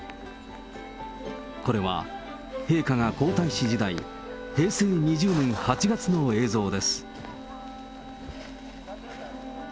これは陛下が皇太子時代、平成２０年８月の映像です。